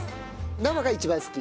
生が一番好き？